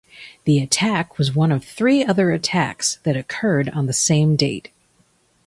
The attack was one of three other attacks that occurred on the same date.